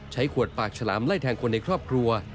ใช้ขวดปากฉลามไล่แทงคนในครอบครัว